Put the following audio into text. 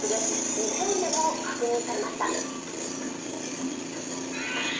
日本でも確認されました。